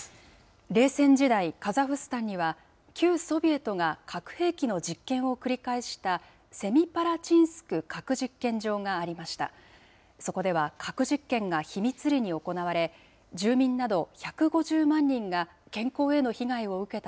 冷戦時代、カザフスタンには、旧ソビエトが核兵器の実験を繰り返したセミパラチンスク核実験場がありました。